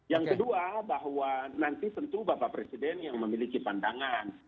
yang kedua bahwa nanti tentu bapak presiden yang memiliki pandangan